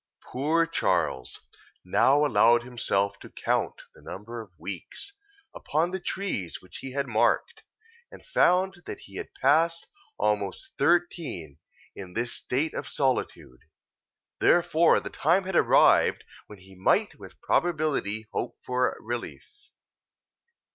Poor Charles now allowed himself to count the number of weeks, upon the trees which he had marked, and found that he had passed almost thirteen in this state of solitude; therefore the time had arrived, when he might with probability hope for relief.